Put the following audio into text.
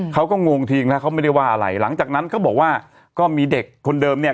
เขาก็งงทิ้งแล้วเขาไม่ได้ว่าอะไรหลังจากนั้นก็บอกว่าก็มีเด็กคนเดิมเนี่ย